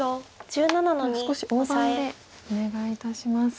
じゃあ少し大盤でお願いいたします。